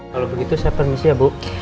kalau begitu saya permisi ya bu